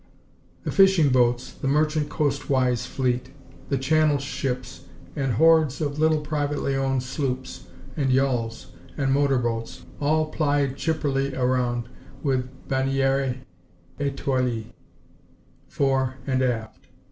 The fishing boats, the merchant coastwise fleet, the Channel ships and hordes of little privately owned sloops and yawls and motor boats all plied chipperly around with "bannières étoilées" fore and aft.